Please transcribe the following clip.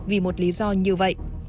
vì một lý do như vậy